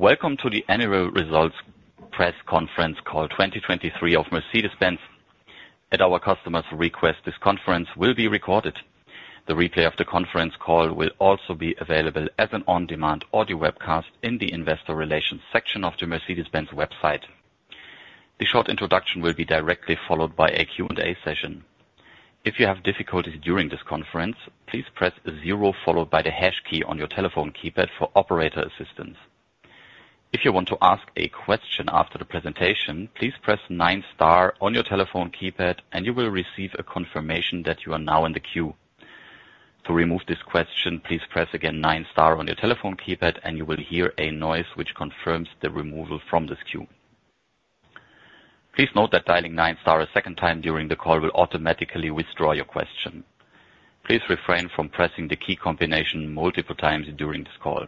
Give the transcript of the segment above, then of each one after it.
Welcome to the annual results press conference call 2023 of Mercedes-Benz. At our customers' request, this conference will be recorded. The replay of the conference call will also be available as an on-demand audio webcast in the investor relations section of the Mercedes-Benz website. The short introduction will be directly followed by a Q&A session. If you have difficulties during this conference, please press zero, followed by the hash key on your telephone keypad for operator assistance. If you want to ask a question after the presentation, please press nine star on your telephone keypad, and you will receive a confirmation that you are now in the queue. To remove this question, please press again nine star on your telephone keypad, and you will hear a noise which confirms the removal from this queue. Please note that dialing nine star a second time during the call will automatically withdraw your question. Please refrain from pressing the key combination multiple times during this call.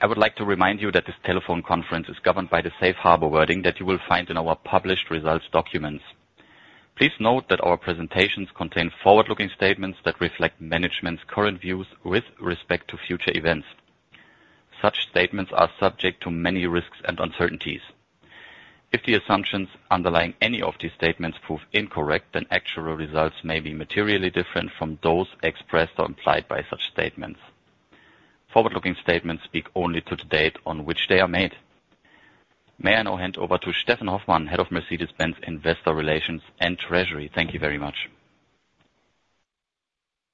I would like to remind you that this telephone conference is governed by the safe harbor wording that you will find in our published results documents. Please note that our presentations contain forward-looking statements that reflect management's current views with respect to future events. Such statements are subject to many risks and uncertainties. If the assumptions underlying any of these statements prove incorrect, then actual results may be materially different from those expressed or implied by such statements. Forward-looking statements speak only to the date on which they are made. May I now hand over to Steffen Hoffmann, Head of Mercedes-Benz Investor Relations and Treasury? Thank you very much.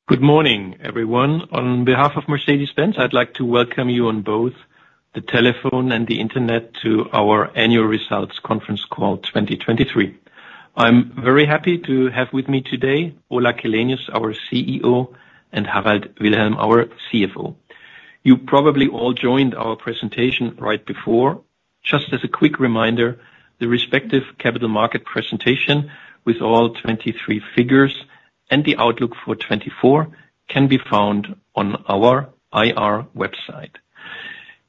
Good morning, everyone. On behalf of Mercedes-Benz, I'd like to welcome you on both the telephone and the Internet to our annual results conference call 2023. I'm very happy to have with me today, Ola Källenius, our CEO, and Harald Wilhelm, our CFO. You probably all joined our presentation right before. Just as a quick reminder, the respective capital market presentation with all 2023 figures and the outlook for 2024 can be found on our IR website.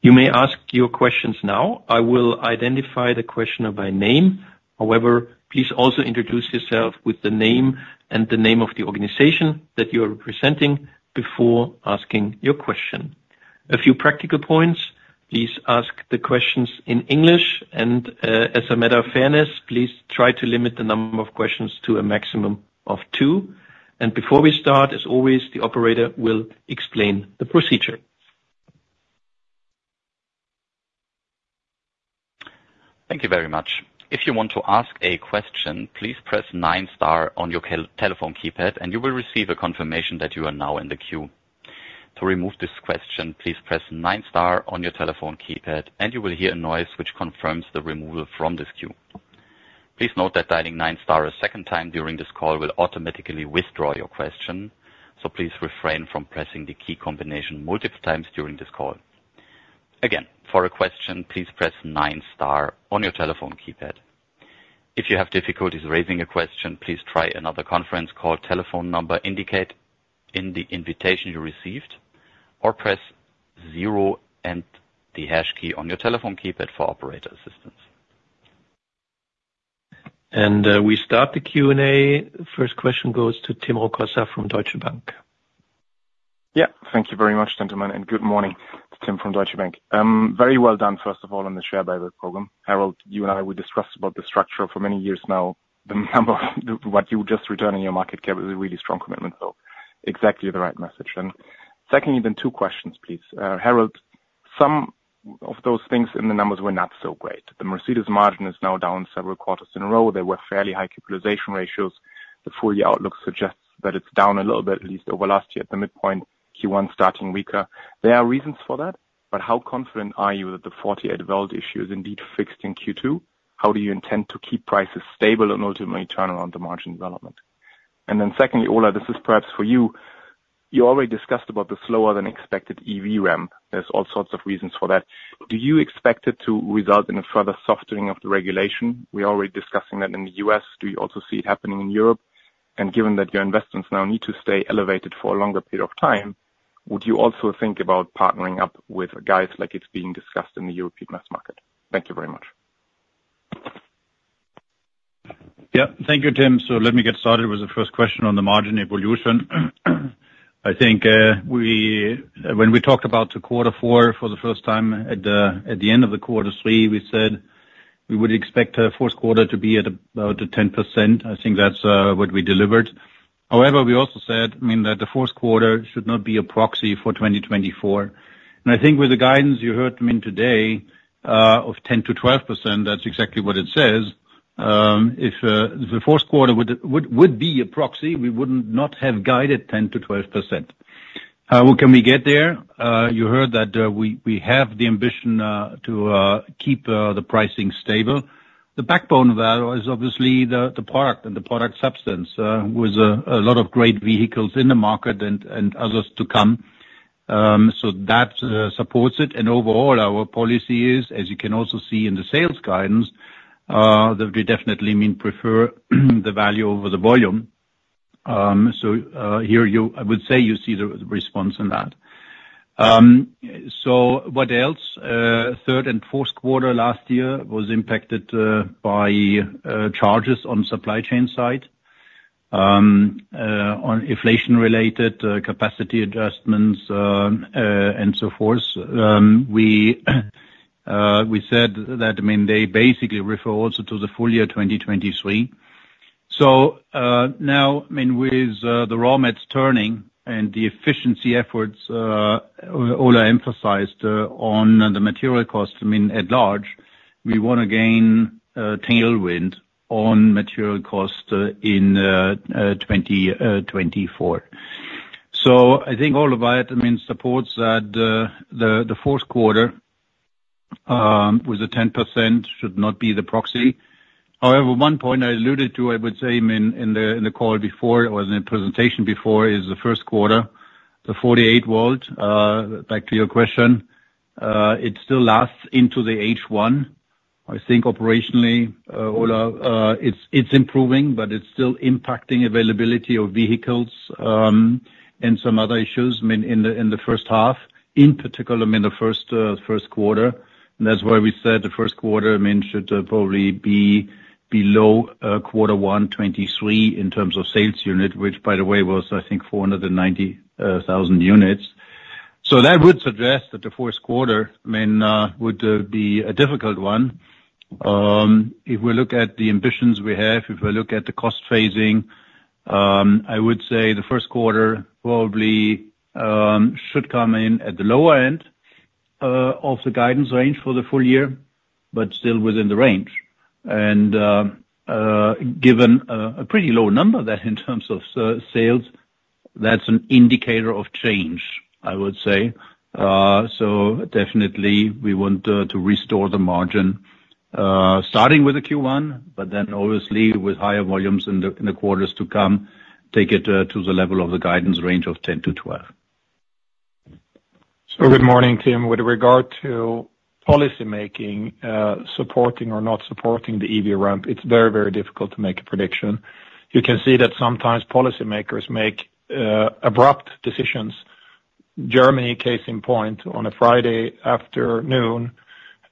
You may ask your questions now. I will identify the questioner by name. However, please also introduce yourself with the name and the name of the organization that you are representing before asking your question. A few practical points: Please ask the questions in English, and, as a matter of fairness, please try to limit the number of questions to a maximum of two. Before we start, as always, the operator will explain the procedure. Thank you very much. If you want to ask a question, please press nine star on your telephone keypad, and you will receive a confirmation that you are now in the queue. To remove this question, please press nine star on your telephone keypad, and you will hear a noise which confirms the removal from this queue. Please note that dialing nine star a second time during this call will automatically withdraw your question, so please refrain from pressing the key combination multiple times during this call. Again, for a question, please press nine star on your telephone keypad. If you have difficulties raising a question, please try another conference call telephone number indicated in the invitation you received, or press zero and the hash key on your telephone keypad for operator assistance. We start the Q&A. First question goes to Tim Rokossa from Deutsche Bank. Yeah. Thank you very much, gentlemen, and good morning. Tim from Deutsche Bank. Very well done, first of all, on the share buyback program. Harald, you and I, we discussed about the structure for many years now. The number of what you just returned in your market cap is a really strong commitment, so exactly the right message. Secondly, then, two questions, please. Harald, some of those things in the numbers were not so great. The Mercedes margin is now down several quarters in a row. There were fairly high capitalization ratios. The full-year outlook suggests that it's down a little bit, at least over last year at the midpoint, Q1 starting weaker. There are reasons for that, but how confident are you that the 48-volt issue is indeed fixed in Q2? How do you intend to keep prices stable and ultimately turn around the margin development? And then secondly, Ola, this is perhaps for you. You already discussed about the slower-than-expected EV ramp. There's all sorts of reasons for that. Do you expect it to result in a further softening of the regulation? We're already discussing that in the U.S. Do you also see it happening in Europe? And given that your investments now need to stay elevated for a longer period of time, would you also think about partnering up with guys like it's being discussed in the European mass market? Thank you very much. Yeah. Thank you, Tim. So let me get started with the first question on the margin evolution. I think, when we talked about the quarter four for the first time at the end of the quarter three, we said we would expect fourth quarter to be at about the 10%. I think that's what we delivered. However, we also said, I mean, that the fourth quarter should not be a proxy for 2024. And I think with the guidance you heard me today of 10%-12%, that's exactly what it says. If the fourth quarter would be a proxy, we wouldn't not have guided 10%-12%. Well, can we get there? You heard that we have the ambition to keep the pricing stable. The backbone value is obviously the product and the product substance, with a lot of great vehicles in the market and others to come. So that supports it. And overall, our policy is, as you can also see in the sales guidance, that we definitely mean prefer the value over the volume. So here you—I would say you see the response in that. So what else? Third and fourth quarter last year was impacted by charges on supply chain side... on inflation related capacity adjustments, and so forth. We said that, I mean, they basically refer also to the full-year 2023. So, now, I mean, with the raw mats turning and the efficiency efforts, Ola emphasized on the material cost, I mean, at large, we want to gain tailwind on material cost in 2024. So I think all of it, I mean, supports that the fourth quarter with the 10% should not be the proxy. However, one point I alluded to, I would say in the call before or in the presentation before, is the first quarter, the 48-volt, back to your question, it still lasts into the H1. I think operationally, Ola, it's improving, but it's still impacting availability of vehicles and some other issues, I mean, in the first half, in particular, the first quarter. That's why we said the first quarter, I mean, should probably be below Q1 2023 in terms of sales units, which, by the way, was, I think, 490,000 units. So that would suggest that the first quarter, I mean, would be a difficult one. If we look at the ambitions we have, if we look at the cost phasing, I would say the first quarter probably should come in at the lower end of the guidance range for the full-year, but still within the range. Given a pretty low number that in terms of sales, that's an indicator of change, I would say. So definitely we want to restore the margin starting with the Q1, but then obviously with higher volumes in the quarters to come, take it to the level of the guidance range of 10-12. Good morning, Tim. With regard to policymaking supporting or not supporting the EV ramp, it's very, very difficult to make a prediction. You can see that sometimes policymakers make abrupt decisions. Germany, case in point, on a Friday afternoon,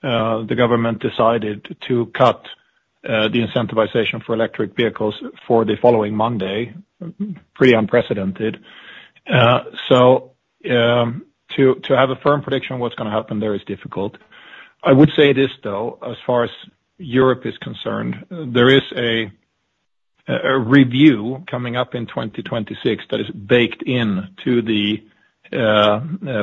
the government decided to cut the incentivization for electric vehicles for the following Monday. Pretty unprecedented. To have a firm prediction on what's going to happen there is difficult. I would say this, though, as far as Europe is concerned, there is a review coming up in 2026 that is baked in to the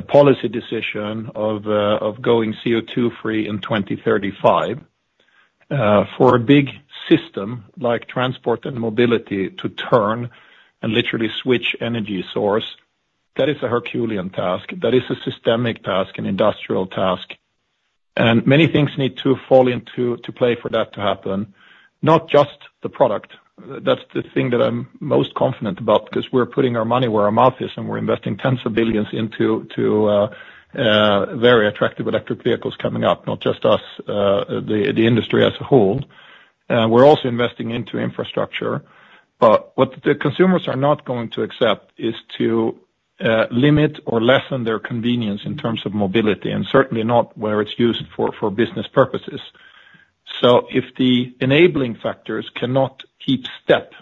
policy decision of going CO2 free in 2035. For a big system like transport and mobility to turn and literally switch energy source, that is a Herculean task. That is a systemic task, an industrial task, and many things need to fall into play for that to happen, not just the product. That's the thing that I'm most confident about, because we're putting our money where our mouth is, and we're investing tens of billions EUR into very attractive electric vehicles coming up, not just us, the industry as a whole. We're also investing into infrastructure. But what the consumers are not going to accept is to limit or lessen their convenience in terms of mobility, and certainly not where it's used for business purposes. So if the enabling factors cannot keep step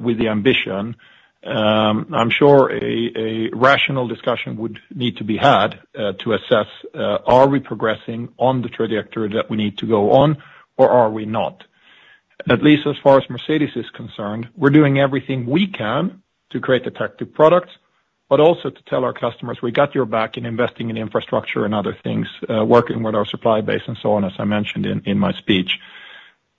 with the ambition, I'm sure a rational discussion would need to be had to assess are we progressing on the trajectory that we need to go on or are we not? At least as far as Mercedes is concerned, we're doing everything we can to create attractive products, but also to tell our customers, we got your back in investing in infrastructure and other things, working with our supply base and so on, as I mentioned in my speech.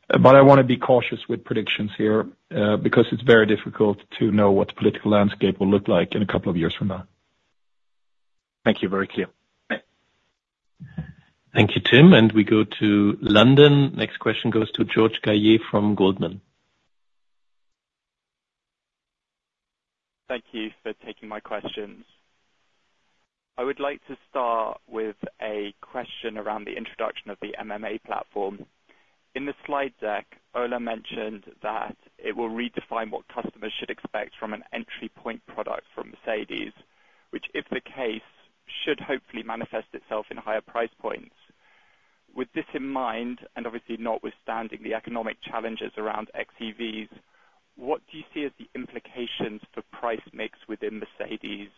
But I want to be cautious with predictions here, because it's very difficult to know what the political landscape will look like in a couple of years from now. Thank you. Very clear. Thank you, Tim. We go to London. Next question goes to George Galliers from Goldman. Thank you for taking my questions. I would like to start with a question around the introduction of the MMA platform. In the slide deck, Ola mentioned that it will redefine what customers should expect from an entry point product from Mercedes, which, if the case, should hopefully manifest itself in higher price points. With this in mind, and obviously notwithstanding the economic challenges around xEVs, what do you see as the implications for price mix within Mercedes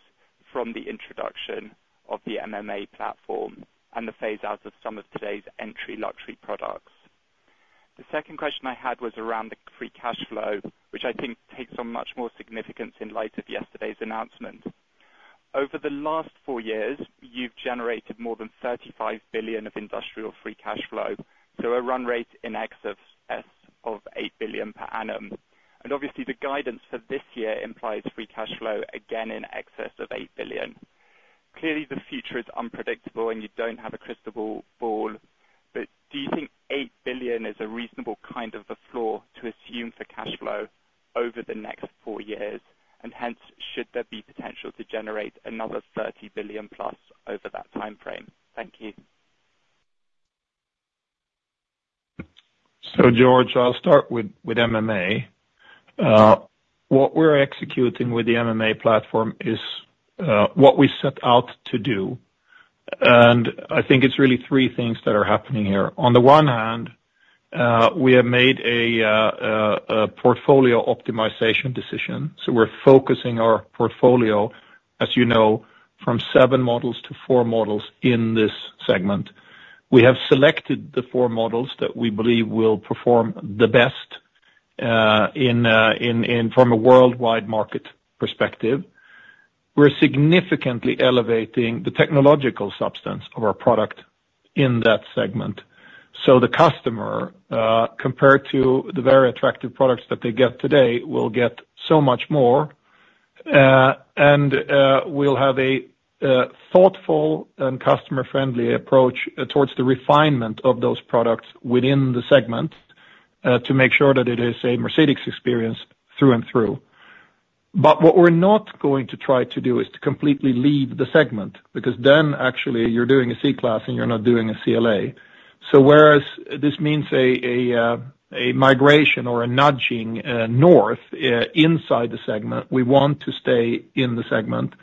from the introduction of the MMA platform and the phase out of some of today's entry luxury products? The second question I had was around the free cash flow, which I think takes on much more significance in light of yesterday's announcement. Over the last four years, you've generated more than 35 billion of industrial free cash flow, so a run rate in excess of 8 billion per annum. Obviously, the guidance for this year implies free cash flow again in excess of 8 billion. Clearly, the future is unpredictable and you don't have a crystal ball, but do you think 8 billion is a reasonable kind of the floor to assume for cash flow over the next four years, and hence, should there be potential to generate another 30+ billion over that time frame? Thank you. So George, I'll start with MMA. What we're executing with the MMA platform is what we set out to do. And I think it's really three things that are happening here. On the one hand, we have made a portfolio optimization decision, so we're focusing our portfolio, as you know, from seven models to four models in this segment. We have selected the four models that we believe will perform the best in from a worldwide market perspective. We're significantly elevating the technological substance of our product in that segment, so the customer, compared to the very attractive products that they get today, will get so much more. and we'll have a thoughtful and customer-friendly approach towards the refinement of those products within the segment, to make sure that it is a Mercedes experience through and through. But what we're not going to try to do is to completely leave the segment, because then actually you're doing a C-Class and you're not doing a CLA. So whereas this means a migration or a nudging north inside the segment, we want to stay in the segment,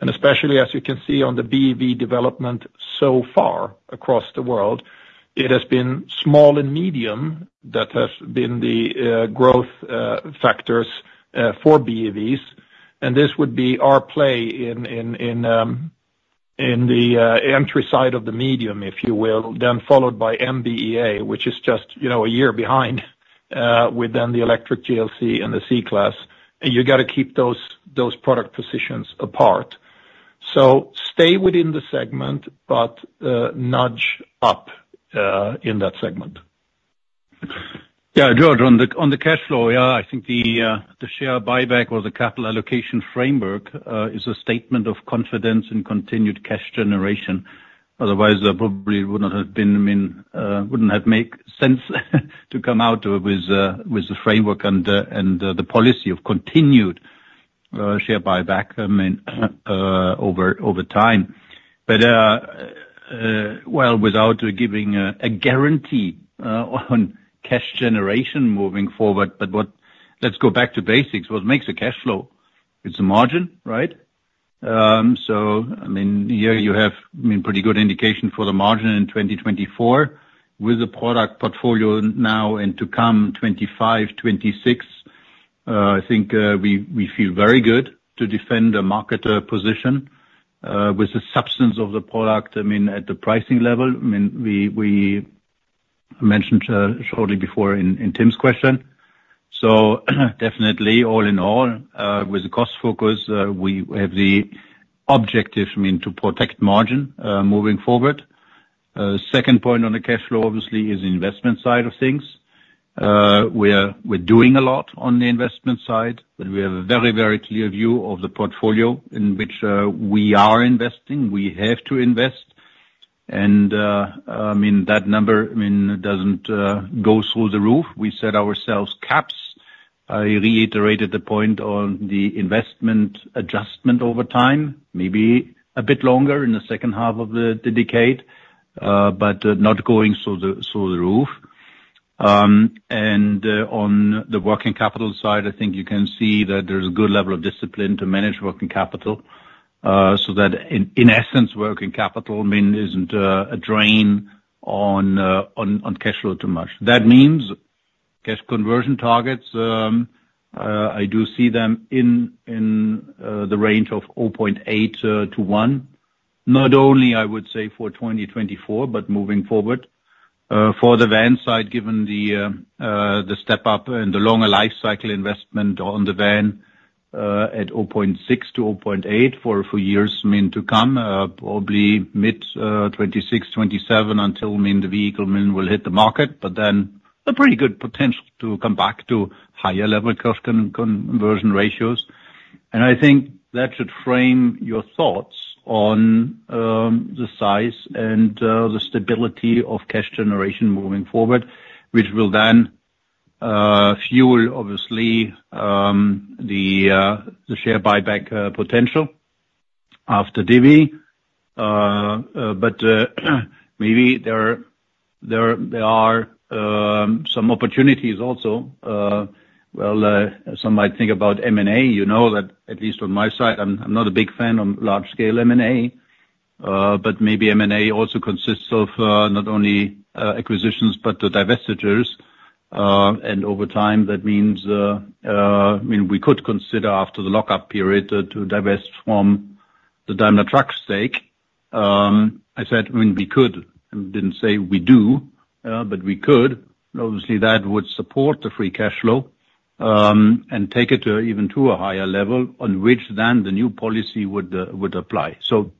and especially as you can see on the BEV development so far across the world, it has been small and medium that has been the growth factors for BEVs, and this would be our play in the entry side of the medium, if you will. Then followed by MB.EA, which is just, you know, a year behind, with then the electric GLC and the C-Class, and you got to keep those, those product positions apart. So stay within the segment, but, nudge up, in that segment. Yeah, George, on the cash flow, yeah, I think the share buyback or the capital allocation framework is a statement of confidence and continued cash generation. Otherwise, there probably would not have been, I mean, wouldn't have made sense to come out with a framework and the policy of continued share buyback, I mean, over time. But well, without giving a guarantee on cash generation moving forward, but let's go back to basics. What makes a cash flow? It's a margin, right? So I mean, here you have, I mean, pretty good indication for the margin in 2024 with the product portfolio now and to come 25, 26. I think we feel very good to defend a market position with the substance of the product, I mean, at the pricing level, I mean, we mentioned shortly before in Tim's question. So definitely, all in all, with the cost focus, we have the objective, I mean, to protect margin moving forward. Second point on the cash flow, obviously, is investment side of things. We're doing a lot on the investment side, but we have a very, very clear view of the portfolio in which we are investing. We have to invest, and I mean, that number, I mean, doesn't go through the roof. We set ourselves caps. I reiterated the point on the investment adjustment over time, maybe a bit longer in the second half of the decade, but not going through the roof. And on the working capital side, I think you can see that there's a good level of discipline to manage working capital, so that in essence, working capital, I mean, isn't a drain on cash flow too much. That means cash conversion targets, I do see them in the range of 0.8-1, not only I would say for 2024, but moving forward. For the van side, given the step up and the longer life cycle investment on the van, at 0.6-0.8 for a few years, I mean, to come, probably mid-2026, 2027, until I mean the vehicle, I mean, will hit the market, but then a pretty good potential to come back to higher level cash conversion ratios. And I think that should frame your thoughts on the size and the stability of cash generation moving forward, which will then fuel, obviously, the share buyback potential after divvy. But maybe there are some opportunities also. Well, some might think about M&A. You know that at least on my side, I'm not a big fan of large-scale M&A, but maybe M&A also consists of not only acquisitions, but the divestitures. And over time, that means, I mean, we could consider after the lockup period to divest from the Daimler Truck stake. I said, I mean, we could, and didn't say we do, but we could. Obviously, that would support the free cash flow, and take it to even to a higher level on which then the new policy would apply. So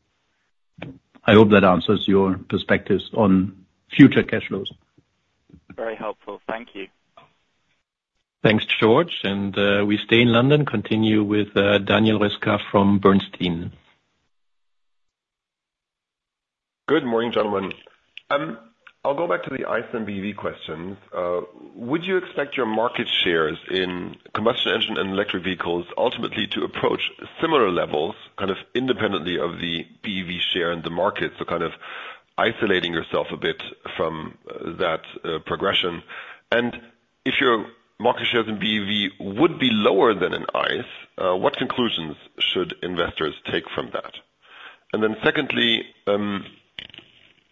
I hope that answers your perspectives on future cash flows. Very helpful. Thank you. Thanks, George. We stay in London, continue with Daniel Roeska from Bernstein. Good morning, gentlemen. I'll go back to the ICE and BEV questions. Would you expect your market shares in combustion engine and electric vehicles ultimately to approach similar levels, kind of independently of the BEV share in the market, isolating yourself a bit from that progression. And if your market shares in BEV would be lower than in ICE, what conclusions should investors take from that? And then secondly,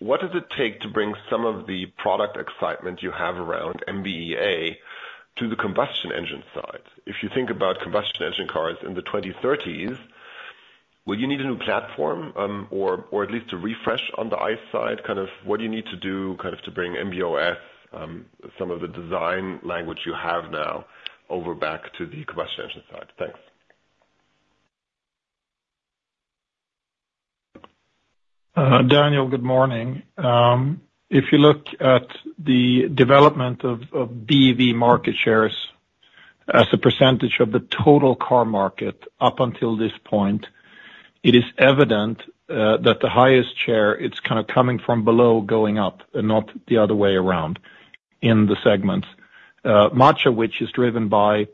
what does it take to bring some of the product excitement you have around MB.EA to the combustion engine side? If you think about combustion engine cars in the 2030s, will you need a new platform, or at least a refresh on the ICE side? Kind of what do you need to do, kind of to bring MB.OS some of the design language you have now over back to the combustion engine side? Thanks. Daniel, good morning. If you look at the development of BEV market shares as a percentage of the total car market up until this point, it is evident that the highest share, it's kind of coming from below, going up, and not the other way around in the segments. Much of which is driven by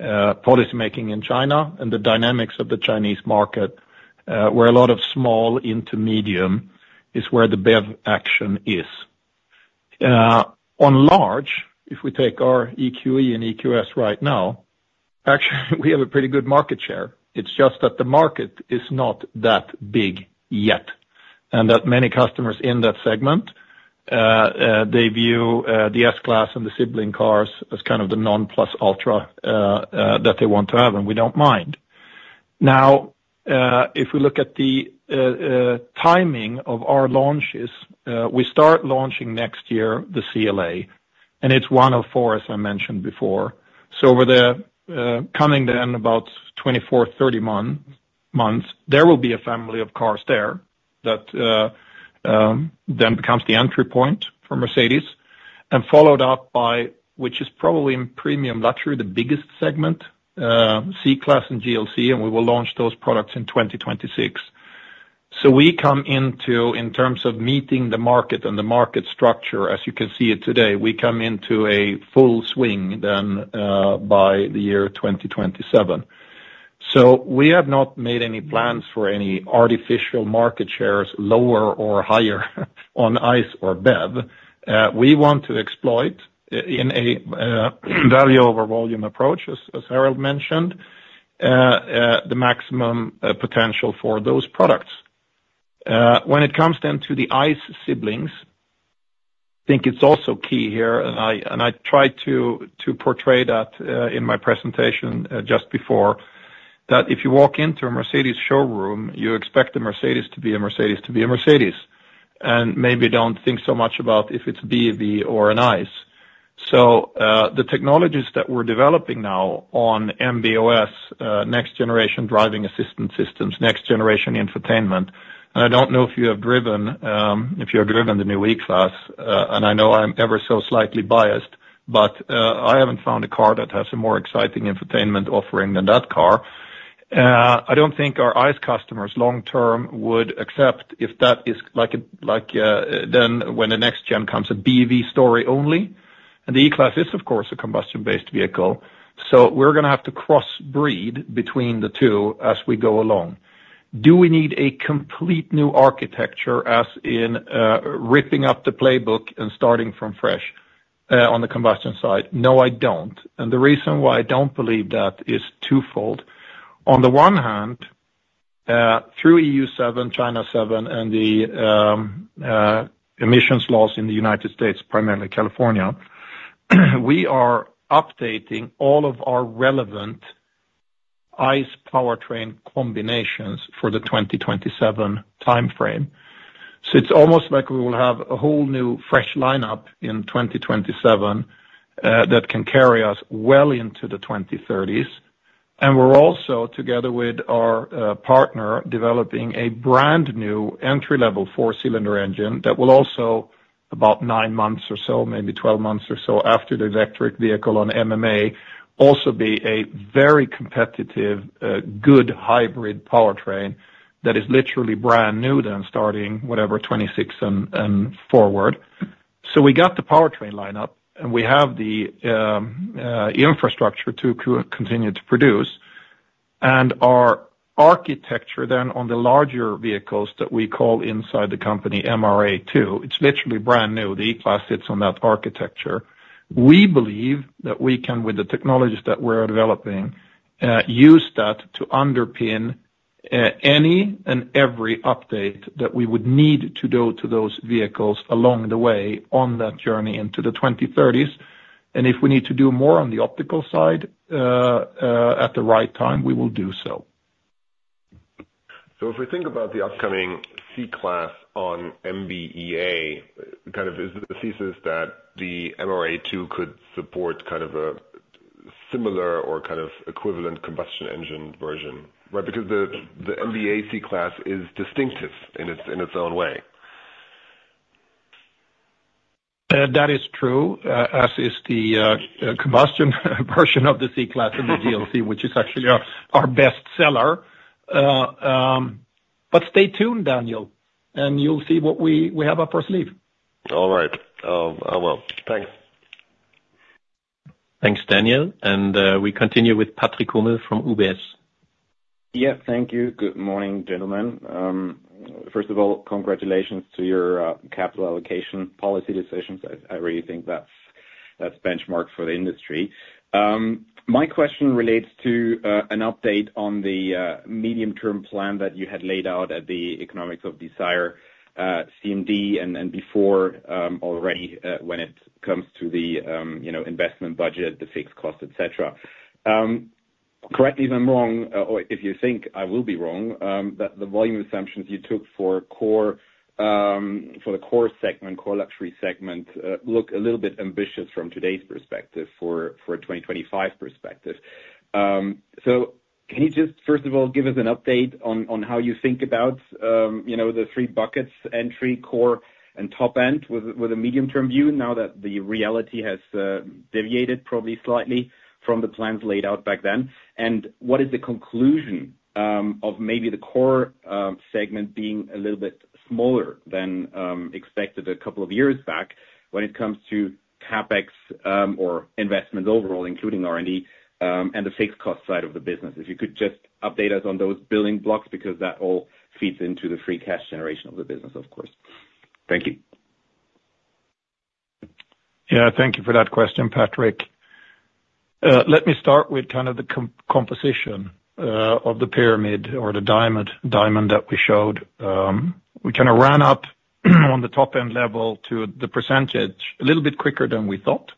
policymaking in China and the dynamics of the Chinese market, where a lot of small to medium is where the BEV action is. On large, if we take our EQE and EQS right now, actually, we have a pretty good market share. It's just that the market is not that big yet, and that many customers in that segment, they view the S-Class and the sibling cars as kind of the non plus ultra that they want to have, and we don't mind. Now, if we look at the timing of our launches, we start launching next year, the CLA, and it's one of four, as I mentioned before. So over the coming then about 24-30 months, there will be a family of cars there, that then becomes the entry point for Mercedes, and followed up by, which is probably in premium luxury, the biggest segment, C-Class and GLC, and we will launch those products in 2026. So we come into, in terms of meeting the market and the market structure, as you can see it today, we come into a full swing then, by the year 2027. So we have not made any plans for any artificial market shares, lower or higher, on ICE or BEV. We want to exploit in a value over volume approach, as Harold mentioned, the maximum potential for those products. When it comes then to the ICE siblings, I think it's also key here, and I tried to portray that in my presentation just before, that if you walk into a Mercedes showroom, you expect the Mercedes to be a Mercedes, to be a Mercedes, and maybe don't think so much about if it's BEV or an ICE. The technologies that we're developing now on MB.OS, next generation driving assistance systems, next generation infotainment, and I don't know if you have driven the new E-Class, and I know I'm ever so slightly biased, but I haven't found a car that has a more exciting infotainment offering than that car. I don't think our ICE customers long-term would accept if that is like a, then when the next gen comes, a BEV story only. And the E-Class is, of course, a combustion-based vehicle, so we're gonna have to cross-breed between the two as we go along. Do we need a complete new architecture, as in, ripping up the playbook and starting from fresh, on the combustion side? No, I don't. And the reason why I don't believe that is twofold. On the one hand, through EU7, China7, and the, emissions laws in the United States, primarily California, we are updating all of our relevant ICE powertrain combinations for the 2027 timeframe. So it's almost like we will have a whole new fresh lineup in 2027 that can carry us well into the 2030s. And we're also, together with our partner, developing a brand-new entry-level four-cylinder engine that will also about 9 months or so, maybe 12 months or so, after the electric vehicle on MMA, also be a very competitive, good hybrid powertrain that is literally brand new than starting, whatever, 2026 and forward. So we got the powertrain lineup, and we have the infrastructure to continue to produce. And our architecture then on the larger vehicles that we call inside the company, MRA2, it's literally brand new. The E-Class sits on that architecture. We believe that we can, with the technologies that we're developing, use that to underpin any and every update that we would need to do to those vehicles along the way on that journey into the 2030s. If we need to do more on the optical side, at the right time, we will do so. So if we think about the upcoming C-Class on MB.EA, kind of is the thesis that the MRA2 could support kind of a similar or kind of equivalent combustion engine version, right? Because the MB.EA C-Class is distinctive in its own way. That is true, as is the combustion version of the C-Class and the GLC, which is actually our best seller. But stay tuned, Daniel, and you'll see what we have up our sleeve. All right. I will. Thanks. Thanks, Daniel, and we continue with Patrick Hummel from UBS. Yeah, thank you. Good morning, gentlemen. First of all, congratulations to your capital allocation policy decisions. I really think that's benchmark for the industry. My question relates to an update on the medium-term plan that you had laid out at the Economics of Desire CMD, and before, already, when it comes to the, you know, investment budget, the fixed cost, et cetera. Correct me if I'm wrong, or if you think I will be wrong, that the volume assumptions you took for core, for the core segment, core luxury segment look a little bit ambitious from today's perspective for a 2025 perspective. So can you just, first of all, give us an update on, on how you think about, you know, the three buckets, entry, core, and top end with a, with a medium-term view, now that the reality has, deviated probably slightly from the plans laid out back then? And what is the conclusion, of maybe the core, segment being a little bit smaller than, expected a couple of years back when it comes to CapEx, or investment overall, including R&D, and the fixed cost side of the business? If you could just update us on those building blocks, because that all feeds into the free cash generation of the business, of course. Thank you. Yeah, thank you for that question, Patrick. Let me start with kind of the composition of the pyramid or the diamond that we showed. We kind of ran up on the top-end level to the percentage a little bit quicker than we thought.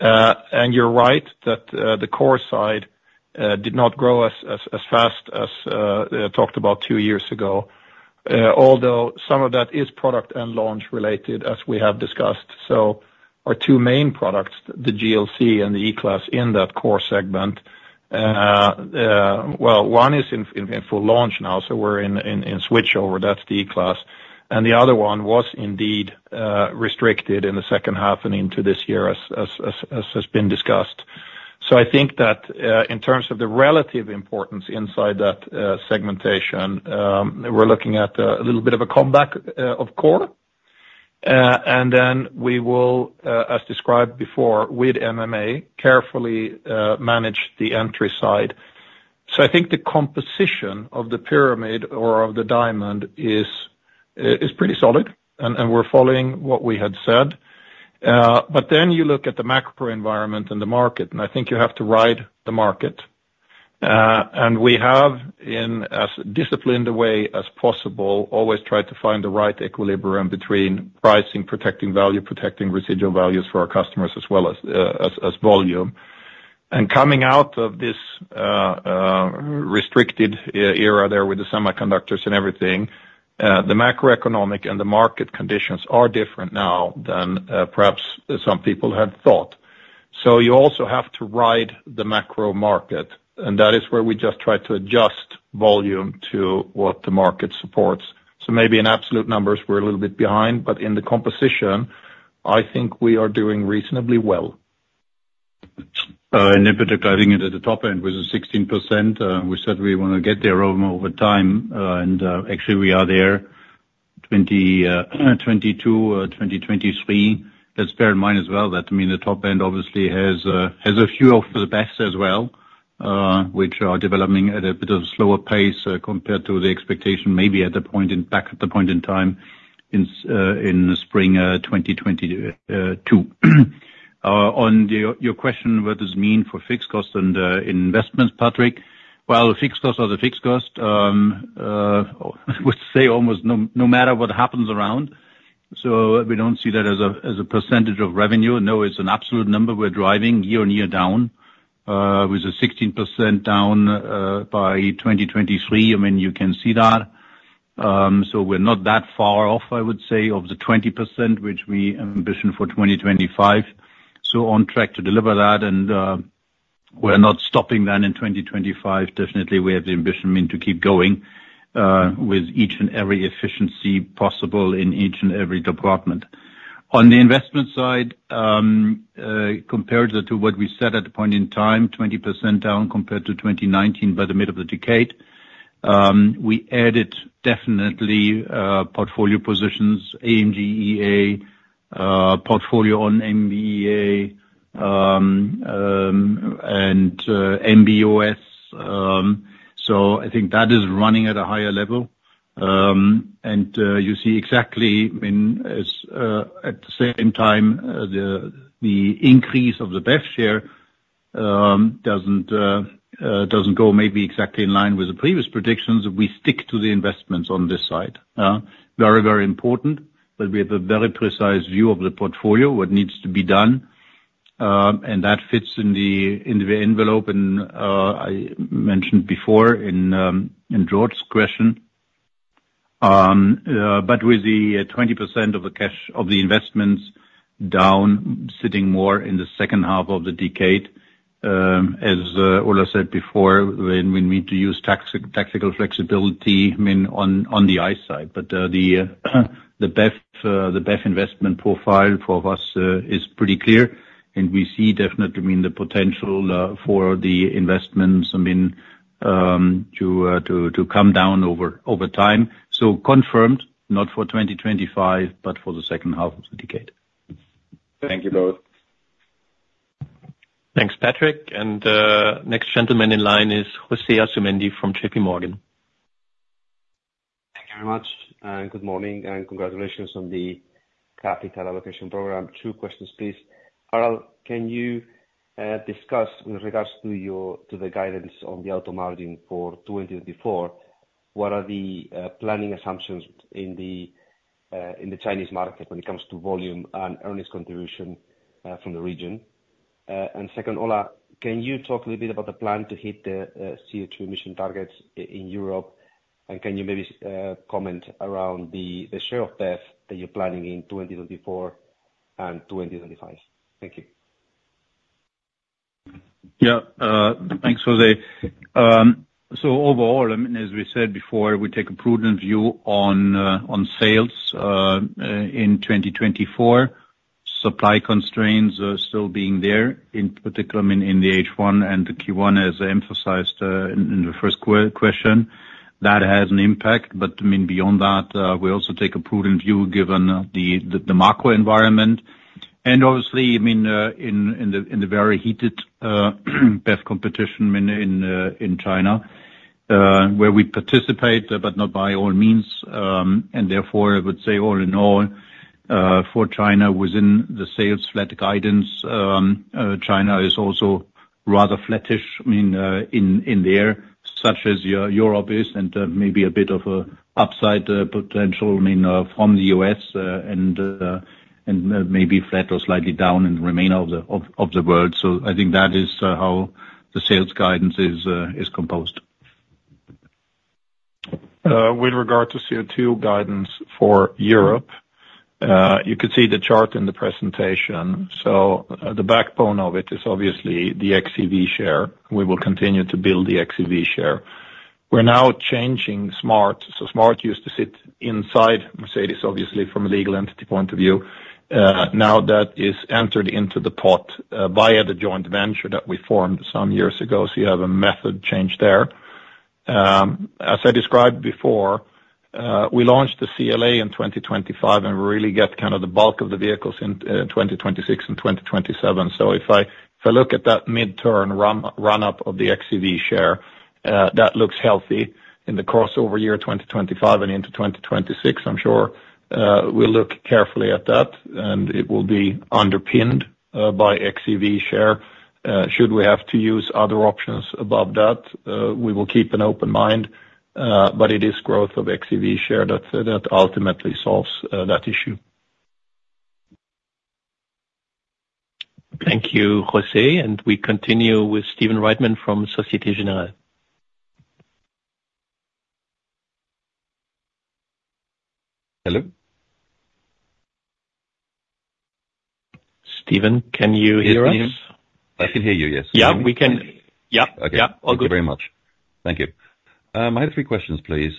And you're right, that the core side did not grow as fast as I talked about two years ago, although some of that is product and launch related, as we have discussed. So our two main products, the GLC and the E-Class, in that core segment, well, one is in full launch now, so we're in switchover, that's the E-Class. And the other one was indeed restricted in the second half and into this year, as has been discussed. So I think that in terms of the relative importance inside that segmentation, we're looking at a little bit of a comeback of core. And then we will, as described before with MMA, carefully manage the entry side. So I think the composition of the pyramid or of the diamond is pretty solid, and we're following what we had said. But then you look at the macro environment and the market, and I think you have to ride the market. And we have, in as disciplined a way as possible, always tried to find the right equilibrium between pricing, protecting value, protecting residual values for our customers, as well as volume. And coming out of this restricted era there with the semiconductors and everything, the macroeconomic and the market conditions are different now than perhaps some people had thought. So you also have to ride the macro market, and that is where we just try to adjust volume to what the market supports. So maybe in absolute numbers, we're a little bit behind, but in the composition, I think we are doing reasonably well. In particular, I think at the top end with 16%, we said we want to get there over time, and actually, we are there. 2022, 2023. Let's bear in mind as well that, I mean, the top end obviously has a few of the best as well, which are developing at a bit of a slower pace compared to the expectation, maybe back at the point in time in the spring 2022. On your question, what does it mean for fixed cost and investments, Patrick? Well, the fixed cost are the fixed cost, would say almost no matter what happens around. So we don't see that as a percentage of revenue. No, it's an absolute number we're driving year on year down, with a 16% down, by 2023. I mean, you can see that. So we're not that far off, I would say, of the 20%, which we ambition for 2025. So on track to deliver that, and, we're not stopping then in 2025. Definitely, we have the ambition, I mean, to keep going, with each and every efficiency possible in each and every department. On the investment side, compared to, to what we said at the point in time, 20% down compared to 2019 by the middle of the decade, we added definitely, portfolio positions, AMG, MB.EA, portfolio on MMA, and, MB.OS. So I think that is running at a higher level. And you see exactly, I mean, as at the same time, the increase of the BEV share doesn't go maybe exactly in line with the previous predictions. We stick to the investments on this side, very, very important, but we have a very precise view of the portfolio, what needs to be done, and that fits in the envelope, and I mentioned before in George's question. But with the 20% of the cash, of the investments down, sitting more in the second half of the decade, as Ola said before, when we need to use tactical flexibility, I mean, on the ICE side. But the BEV investment profile for us is pretty clear, and we see definitely, I mean, the potential for the investments, I mean, to come down over time. So confirmed, not for 2025, but for the second half of the decade. Thank you, both. Thanks, Patrick, and next gentleman in line is José Asumendi from JP Morgan. Thank you very much, and good morning, and congratulations on the capital allocation program. Two questions, please. Harald, can you discuss with regards to the guidance on the auto margin for 2024, what are the planning assumptions in the Chinese market when it comes to volume and earnings contribution from the region? And second, Ola, can you talk a little bit about the plan to hit the CO2 emission targets in Europe? And can you maybe comment around the share of BEV that you're planning in 2024 and 2025? Thank you. Yeah, thanks, José. So overall, I mean, as we said before, we take a prudent view on sales in 2024. Supply constraints are still being there, in particular, I mean, in the H1 and the Q1, as I emphasized in the first question. That has an impact, but I mean, beyond that, we also take a prudent view given the macro environment, and obviously, I mean, in the very heated BEV competition, I mean, in China, where we participate, but not by all means, and therefore, I would say all in all, for China, within the sales flat guidance, China is also rather flattish, I mean, in there, such as Europe is, and maybe a bit of upside potential, I mean, from the U.S., and maybe flat or slightly down in the remainder of the world. So I think that is how the sales guidance is composed. With regard to CO2 guidance for Europe, you could see the chart in the presentation. So, the backbone of it is obviously the xEV share. We will continue to build the xEV share. We're now changing smart. So smart used to sit inside Mercedes, obviously from a legal entity point of view, now that is entered into the pot, via the joint venture that we formed some years ago. So you have a method change there. As I described before, we launched the CLA in 2025, and really get kind of the bulk of the vehicles in, 2026 and 2027. So if I, if I look at that midterm run up of the xEV share, that looks healthy in the course over year 2025 and into 2026. I'm sure, we'll look carefully at that, and it will be underpinned by xEV share. Should we have to use other options above that, we will keep an open mind, but it is growth of xEV share that, that ultimately solves that issue. Thank you, José, and we continue with Stephen Reitman from Société Générale. Hello? Stephen, can you hear us? I can hear you, yes. Yeah, we can. Okay. Yeah, yeah. All good. Thank you very much. Thank you. I had three questions, please.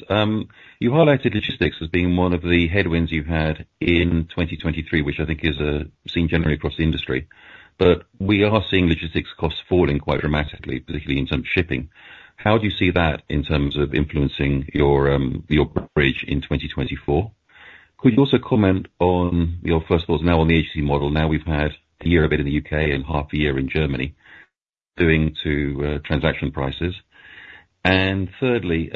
You highlighted logistics as being one of the headwinds you've had in 2023, which I think is seen generally across the industry. But we are seeing logistics costs falling quite dramatically, particularly in terms of shipping. How do you see that in terms of influencing your bridge in 2024? Could you also comment on, you know, first of all, now on the agency model, now we've had a year of it in the U.K. and half a year in Germany, doing to transaction prices. And thirdly,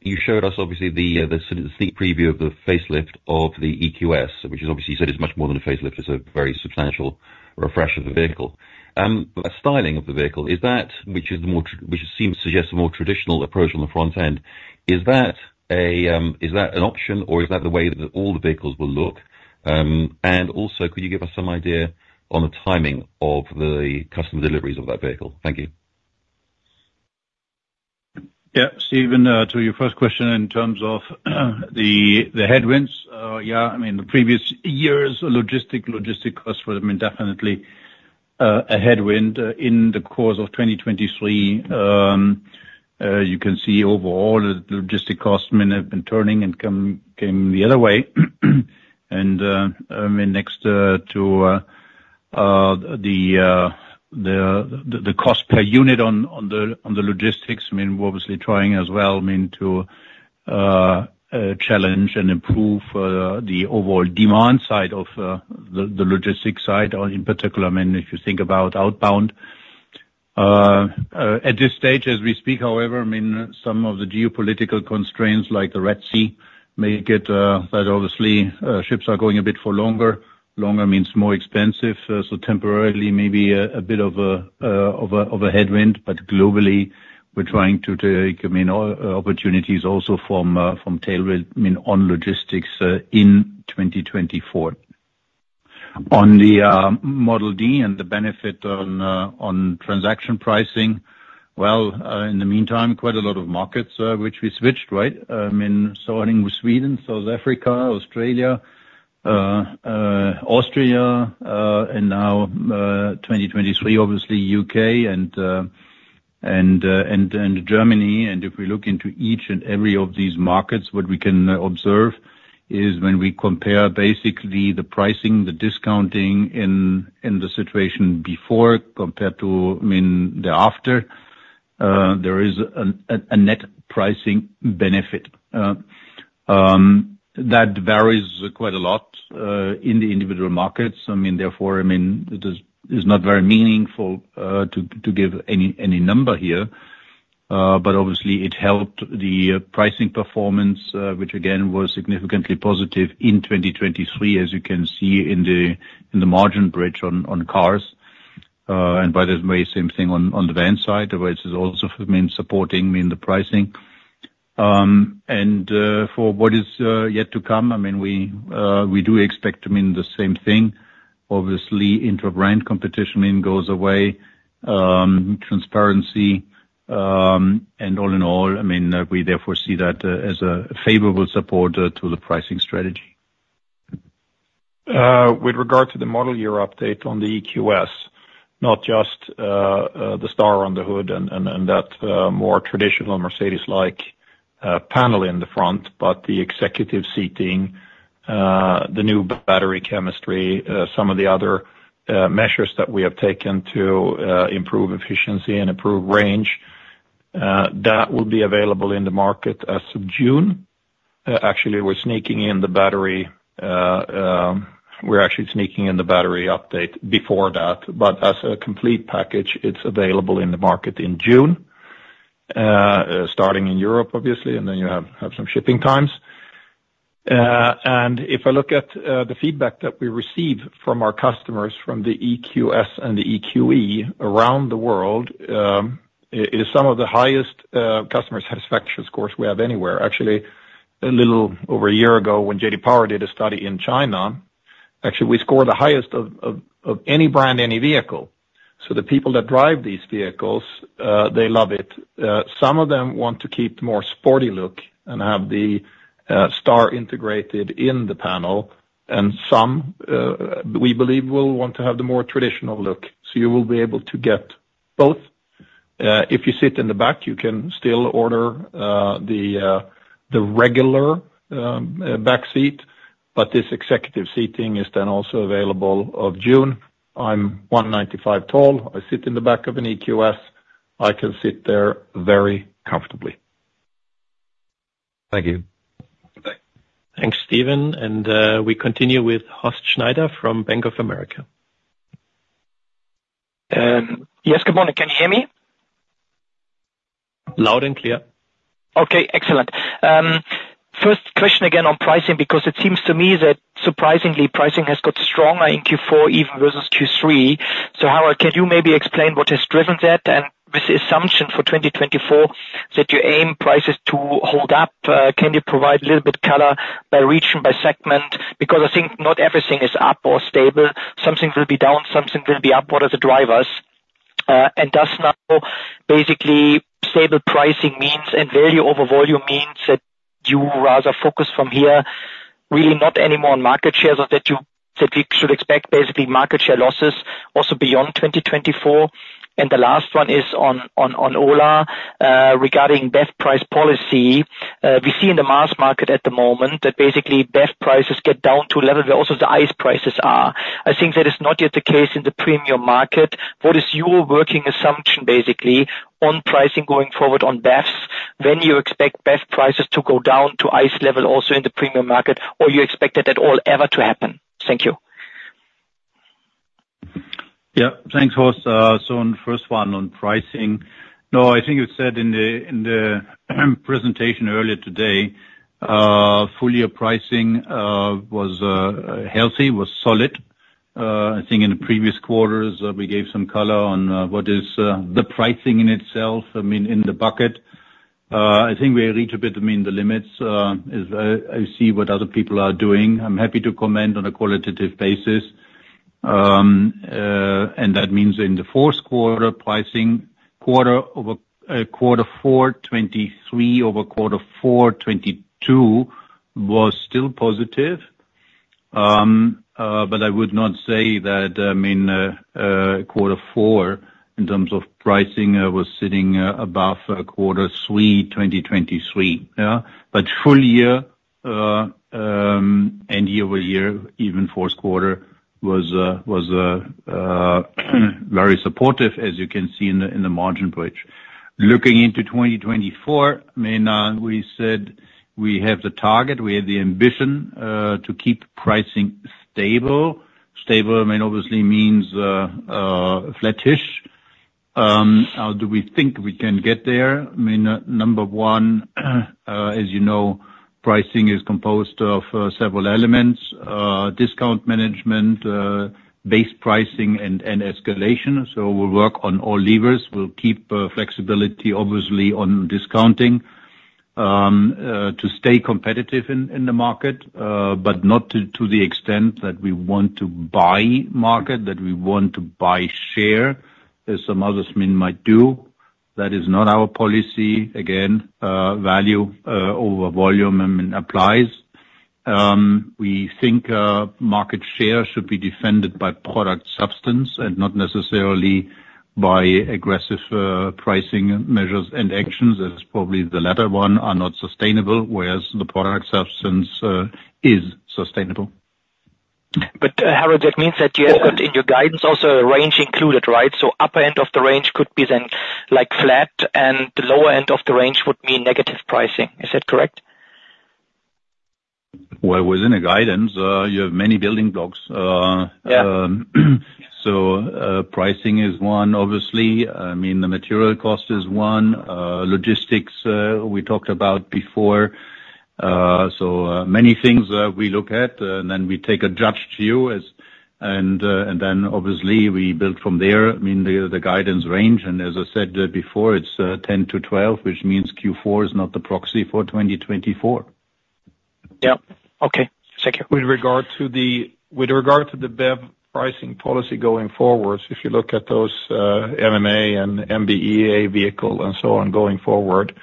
you showed us obviously the sort of the seat preview of the facelift of the EQS, which is obviously, you said is much more than a facelift, it's a very substantial refresh of the vehicle. A styling of the vehicle, is that which is the more, which it seems to suggest a more traditional approach on the front end, is that a, is that an option, or is that the way that all the vehicles will look? And also, could you give us some idea on the timing of the customer deliveries of that vehicle? Thank you. Yeah, Stephen, to your first question in terms of the headwinds, yeah, I mean, the previous years, logistics costs would have been definitely a headwind in the course of 2023. You can see overall the logistics costs, I mean, have been turning and coming the other way. I mean, next to the cost per unit on the logistics, I mean, we're obviously trying as well, I mean, to challenge and improve the overall demand side of the logistics side, or in particular, I mean, if you think about outbound. At this stage as we speak, however, I mean, some of the geopolitical constraints like the Red Sea may get, but obviously ships are going a bit longer. Longer means more expensive, so temporarily maybe a bit of a headwind, but globally, we're trying to take, I mean, all opportunities also from tailwind, I mean, on logistics in 2024. On the Model D and the benefit on transaction pricing, well, in the meantime, quite a lot of markets which we switched, right? I mean, starting with Sweden, South Africa, Australia, Austria, and now 2023, obviously, U.K. and Germany, and if we look into each and every of these markets, what we can observe is when we compare basically the pricing, the discounting in the situation before compared to, I mean, the after, there is a net pricing benefit. That varies quite a lot in the individual markets. I mean, therefore, it is, it's not very meaningful to give any number here, but obviously it helped the pricing performance, which again, was significantly positive in 2023, as you can see in the margin bridge on cars. And by the way, same thing on the van side, which is also, I mean, supporting the pricing. And for what is yet to come, I mean, we do expect the same thing. Obviously, inter-brand competition goes away, transparency, and all in all, we therefore see that as a favorable support to the pricing strategy. With regard to the model year update on the EQS, not just the star on the hood and that more traditional Mercedes-like panel in the front, but the executive seating, the new battery chemistry, some of the other measures that we have taken to improve efficiency and improve range, that will be available in the market as of June. Actually, we're sneaking in the battery, we're actually sneaking in the battery update before that, but as a complete package, it's available in the market in June. Starting in Europe, obviously, and then you have some shipping times. And if I look at the feedback that we receive from our customers, from the EQS and the EQE around the world, it is some of the highest customer satisfaction scores we have anywhere. Actually, a little over a year ago, when J.D. Power did a study in China, actually, we scored the highest of any brand, any vehicle. So the people that drive these vehicles, they love it. Some of them want to keep the more sporty look and have the star integrated in the panel, and some we believe will want to have the more traditional look. So you will be able to get both. If you sit in the back, you can still order the regular backseat, but this executive seating is then also available of June. I'm 195 tall. I sit in the back of an EQS. I can sit there very comfortably. Thank you. Bye. Thanks, Stephen. We continue with Horst Schneider from Bank of America. Yes, good morning. Can you hear me? Loud and clear. Okay, excellent. First question again on pricing, because it seems to me that surprisingly, pricing has got stronger in Q4, even versus Q3. So Horald, can you maybe explain what has driven that? And with the assumption for 2024, that you aim prices to hold up, can you provide a little bit color by region, by segment? Because I think not everything is up or stable. Some things will be down, some things will be up. What are the drivers? And does now basically stable pricing means and value over volume means that you rather focus from here, really not any more on market shares, or that you, that we should expect basically market share losses also beyond 2024? And the last one is on Ola, regarding BEV price policy. We see in the mass market at the moment that basically BEV prices get down to a level where also the ICE prices are. I think that is not yet the case in the premium market. What is your working assumption, basically, on pricing going forward on BEVs, when you expect BEV prices to go down to ICE level, also in the premium market, or you expect that at all ever to happen? Thank you. Yeah. Thanks, Horst. So on the first one, on pricing, no, I think it said in the presentation earlier today, full-year pricing was healthy, was solid. I think in the previous quarters, we gave some color on what is the pricing in itself, I mean, in the bucket. I think we reached a bit, I mean, the limits, as I see what other people are doing. I'm happy to comment on a qualitative basis. And that means in the fourth quarter, pricing quarter-over-quarter 4 2023 over 4 2022 was still positive. But I would not say that, I mean, quarter 4, in terms of pricing, was sitting above quarter 3 2023, yeah? But full-year, and year-over-year, even fourth quarter was very supportive, as you can see in the margin bridge. Looking into 2024, I mean, we said we have the target, we have the ambition to keep pricing stable. Stable, I mean, obviously means flattish. Do we think we can get there? I mean, number one, as you know, pricing is composed of several elements, discount management, base pricing and escalation. So we'll work on all levers. We'll keep flexibility, obviously, on discounting to stay competitive in the market, but not to the extent that we want to buy market, that we want to buy share, as some others, I mean, might do. That is not our policy. Again, value over volume, I mean, applies. We think market share should be defended by product substance and not necessarily by aggressive pricing measures and actions, that's probably the latter one, are not sustainable, whereas the product substance is sustainable. But, Harald, that means that you have got in your guidance also a range included, right? So upper end of the range could be then, like, flat, and the lower end of the range would mean negative pricing. Is that correct? Well, within the guidance, you have many building blocks. So, pricing is one, obviously. I mean, the material cost is one, logistics, we talked about before. So, many things, we look at, and then we take a judged view as, and, and then obviously we build from there, I mean, the guidance range. And as I said before, it's 10-12, which means Q4 is not the proxy for 2024. Yeah. Okay. Thank you. With regard to the BEV pricing policy going forward, if you look at those, MMA and MB.EA vehicle, and so on, going forward,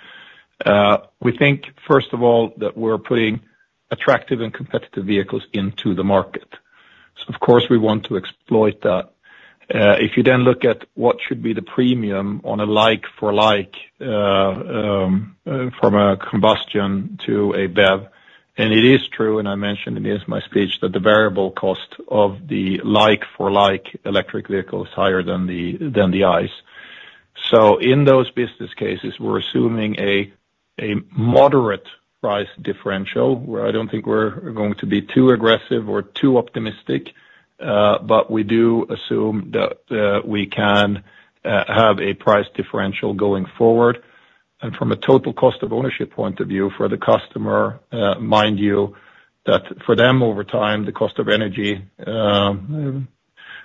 we think, first of all, that we're putting attractive and competitive vehicles into the market. So of course, we want to exploit that. If you then look at what should be the premium on a like for like, from a combustion to a BEV, and it is true, and I mentioned it in my speech, that the variable cost of the like for like electric vehicle is higher than the ICEs. So in those business cases, we're assuming a moderate price differential, where I don't think we're going to be too aggressive or too optimistic, but we do assume that, we can, have a price differential going forward. From a total cost of ownership point of view, for the customer, mind you, that for them, over time, the cost of energy,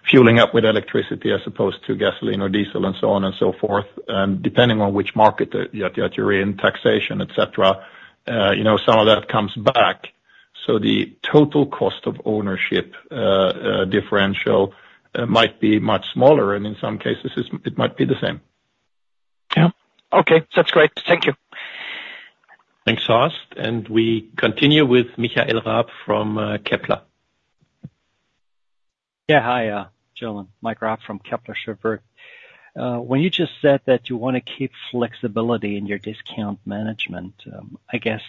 fueling up with electricity as opposed to gasoline or diesel, and so on and so forth, and depending on which market that you're in, taxation, et cetera, you know, some of that comes back. The total cost of ownership differential might be much smaller, and in some cases, it might be the same. Yeah. Okay, that's great. Thank you. Thanks, Horst. We continue with Michael Raab from Kepler. Yeah, hi, gentlemen. Mike Raab from Kepler Cheuvreux. When you just said that you want to keep flexibility in your discount management, I guess,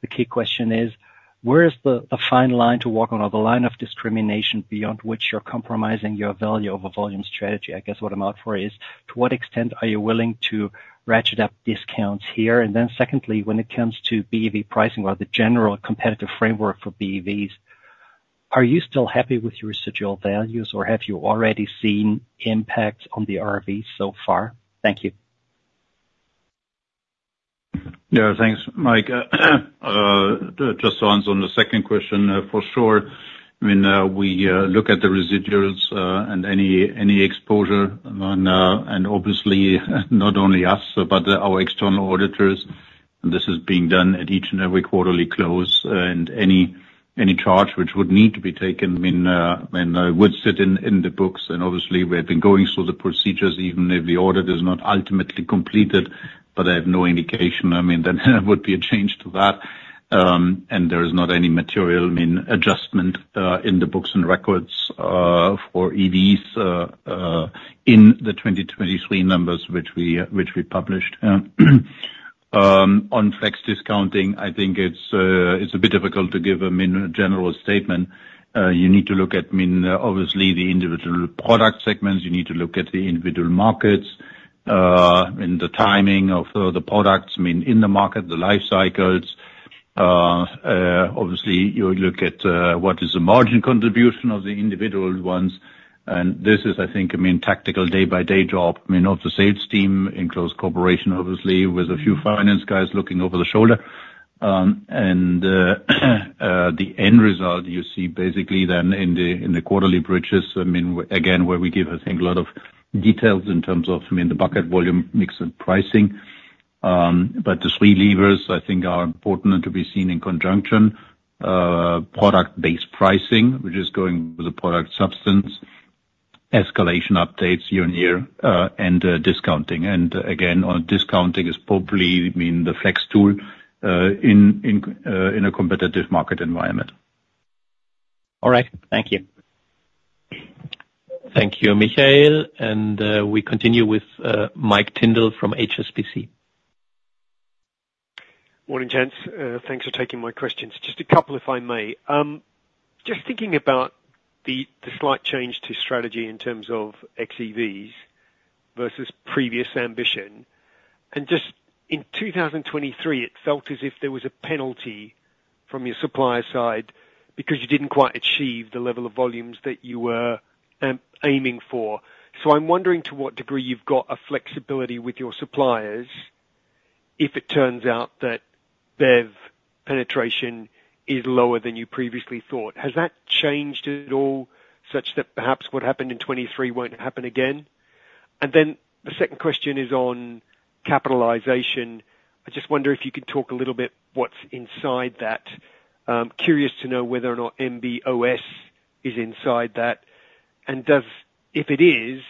the key question is, where is the fine line to walk on, or the line of discrimination beyond which you're compromising your value of a volume strategy? I guess what I'm out for is, to what extent are you willing to ratchet up discounts here? And then secondly, when it comes to BEV pricing or the general competitive framework for BEVs, are you still happy with your residual values, or have you already seen impacts on the RVs so far? Thank you. Yeah, thanks, Mike. Just to answer on the second question, for sure, I mean, we look at the residuals and any exposure, and obviously, not only us, but our external auditors. This is being done at each and every quarterly close, and any charge which would need to be taken, I mean, would sit in the books. Obviously, we have been going through the procedures, even if the audit is not ultimately completed, but I have no indication, I mean, that there would be a change to that. And there is not any material, I mean, adjustment in the books and records for EVs in the 2023 numbers, which we published. On flex discounting, I think it's a bit difficult to give a general statement. You need to look at, I mean, obviously, the individual product segments. You need to look at the individual markets, and the timing of the products, I mean, in the market, the life cycles. Obviously, you look at what is the margin contribution of the individual ones, and this is, I think, I mean, tactical day-by-day job, I mean, of the sales team in close cooperation, obviously, with a few finance guys looking over the shoulder. And the end result you see basically then in the quarterly bridges, I mean, again, where we give, I think, a lot of details in terms of, I mean, the bucket volume, mix and pricing. But the three levers, I think, are important to be seen in conjunction. Product-based pricing, which is going with the product substance, escalation updates year-on-year, and discounting. And again, on discounting is probably, I mean, the flex tool, in a competitive market environment. All right. Thank you. Thank you, Michael. We continue with Michael Tyndall from HSBC. Morning, gents. Thanks for taking my questions. Just a couple, if I may. Just thinking about the slight change to strategy in terms of xEVs versus previous ambition, and just in 2023, it felt as if there was a penalty from your supplier side because you didn't quite achieve the level of volumes that you were aiming for. So I'm wondering to what degree you've got a flexibility with your suppliers if it turns out that BEV penetration is lower than you previously thought. Has that changed at all, such that perhaps what happened in 2023 won't happen again? And then the second question is on capitalization. I just wonder if you could talk a little bit what's inside that. I'm curious to know whether or not MB.OS is inside that, and does... If it is,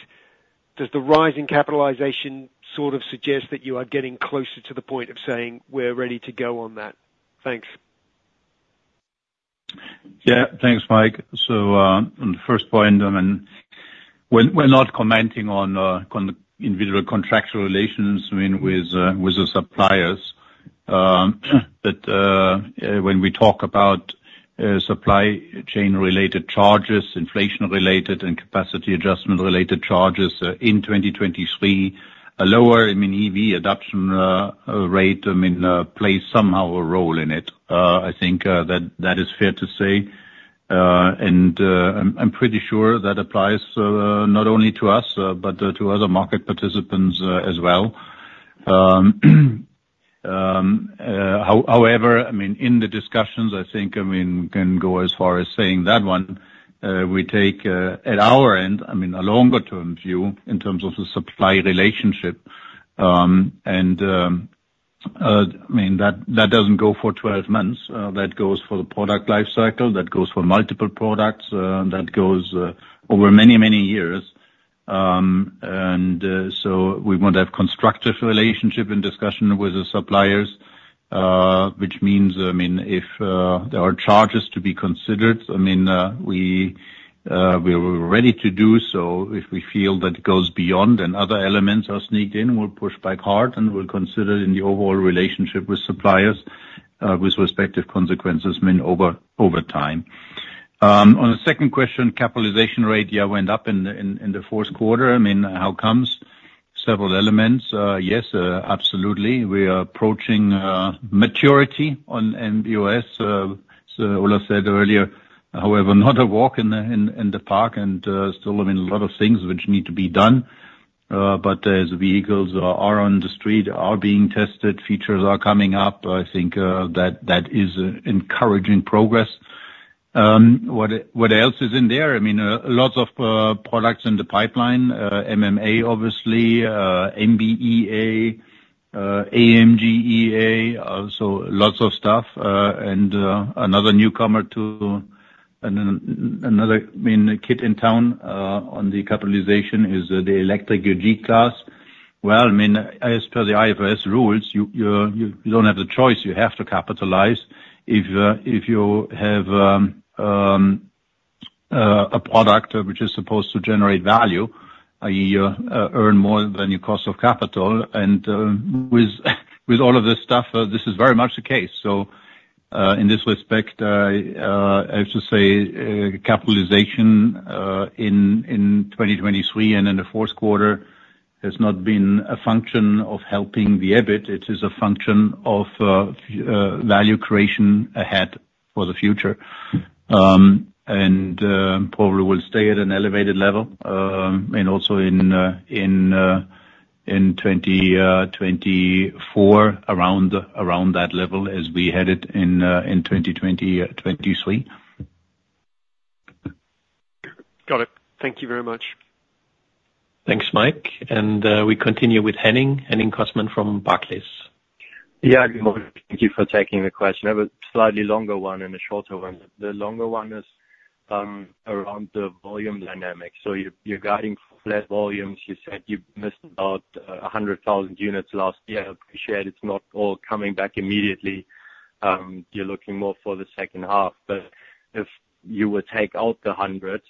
does the rise in capitalization sort of suggest that you are getting closer to the point of saying, "We're ready to go on that?" Thanks. Yeah, thanks, Mike. So, on the first point, I mean, we're not commenting on individual contractual relations, I mean, with the suppliers. But, when we talk about supply chain related charges, inflation related and capacity adjustment related charges, in 2023, a lower, I mean, EV adoption rate, I mean, plays somehow a role in it. I think that is fair to say. And, I'm pretty sure that applies not only to us, but to other market participants, as well. However, I mean, in the discussions, I think, I mean, we can go as far as saying that one, we take at our end, I mean, a longer term view in terms of the supply relationship. And, I mean, that, that doesn't go for 12 months, that goes for the product life cycle, that goes for multiple products, that goes, over many, many years. And, so we want to have constructive relationship and discussion with the suppliers, which means, I mean, if, there are charges to be considered, I mean, we, we are ready to do so. If we feel that it goes beyond and other elements are sneaked in, we'll push back hard, and we'll consider in the overall relationship with suppliers, with respective consequences, I mean, over, over time. On the second question, capitalization rate, yeah, went up in the, in, in the fourth quarter. I mean, how comes? Several elements. Yes, absolutely. We are approaching maturity on MB.OS, as Ola said earlier, however, not a walk in the park and, still I mean, a lot of things which need to be done. But as vehicles are on the street, are being tested, features are coming up, I mean, that is encouraging progress. What else is in there? I mean, lots of products in the pipeline, MMA, obviously, MB.EA, AMG.EA, also lots of stuff, and, another newcomer to another, I mean, kid in town, on the capitalization is the electric G-Class. Well, I mean, as per the IFRS rules, you, you're- you don't have the choice, you have to capitalize if you have a product which is supposed to generate value, i.e., you earn more than your cost of capital. And with all of this stuff, this is very much the case. So, in this respect, I have to say, capitalization in 2023 and in the fourth quarter has not been a function of helping the EBIT. It is a function of value creation ahead for the future. And probably will stay at an elevated level and also in 2024, around that level as we had it in 2023. Got it. Thank you very much. Thanks, Mike. We continue with Henning Cosman from Barclays. Yeah, good morning. Thank you for taking the question. I have a slightly longer one and a shorter one. The longer one is around the volume dynamics. So you're guiding flat volumes. You said you missed about 100,000 units last year. I appreciate it's not all coming back immediately. You're looking more for the second half, but if you would take out the hundred,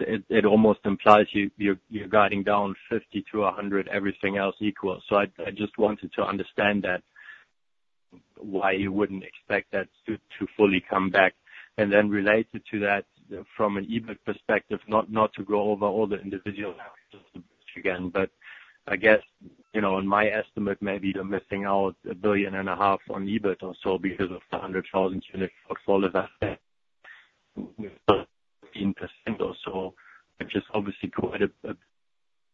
it almost implies you're guiding down 50-100, everything else equal. So I just wanted to understand that, why you wouldn't expect that to fully come back? And then related to that, from an EBIT perspective, not to go over all the individual again, but I guess, you know, in my estimate, maybe you're missing out on EUR 1.5 billion in EBIT or so because of the 100,000-unit follow that... percent or so, which is obviously quite a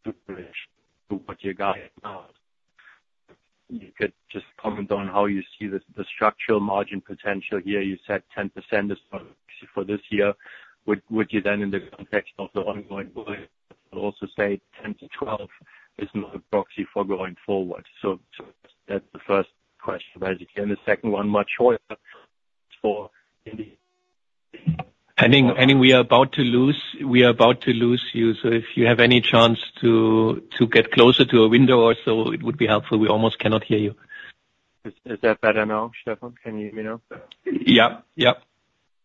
to what you're getting now. You could just comment on how you see the structural margin potential here. You said 10% is for this year. Would you then, in the context of the ongoing, also say 10%-12% is my proxy for going forward? So that's the first question, basically. And the second one, much shorter for in the- Henning, Henning, we are about to lose you. So if you have any chance to get closer to a window or so, it would be helpful. We almost cannot hear you. Is that better now, Steffen? Can you let me know? Yeah. Yep.